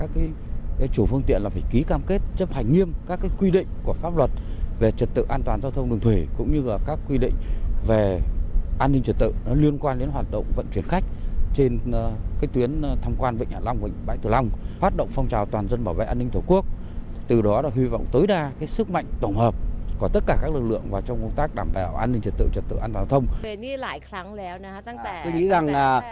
kết thúc thì mời người dân và phương tiện về an toàn giao thông của cảng bến phương tiện việc chấp hành quy định của pháp luật về bảo đảm trật tự an toàn giao thông của đội ngũ thuyền trường thuyền viên trên các phương tiện